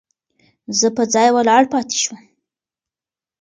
زه په ځای ولاړ پاتې شوم.